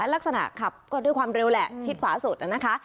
ลักษณะขับก็ด้วยความเร็วแหละชิดขวาสุดนะคะ